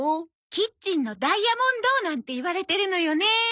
「キッチンのダイヤモンド」なんていわれてるのよね。